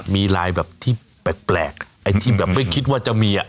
มีลายแบบที่แปลกไอ้ที่แบบไม่คิดว่าจะมีอ่ะ